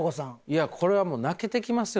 いやこれはもう泣けてきますよ。